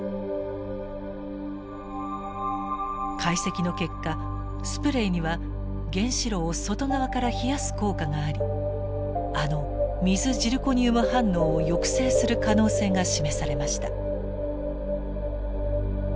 解析の結果スプレイには原子炉を外側から冷やす効果がありあの水ジルコニウム反応を抑制する可能性が示されました。